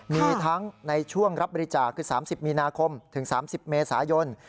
มีทั้งในช่วงรับบริจาคคือ๓๐มีนาคมถึง๓๐เมษายน